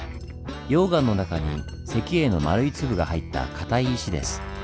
溶岩の中に石英の丸い粒が入ったかたい石です。